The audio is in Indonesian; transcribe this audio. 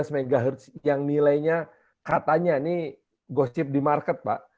satu ratus dua belas mhz yang nilainya katanya nih gosip di market pak